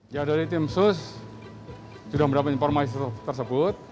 ya dari tim sus sudah mendapat informasi tersebut